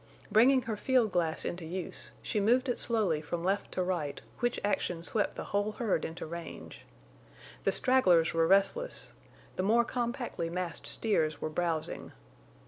Bringing her field glass into use, she moved it slowly from left to right, which action swept the whole herd into range. The stragglers were restless; the more compactly massed steers were browsing.